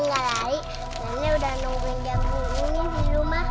nenek udah nungguin jagung ini dulu mah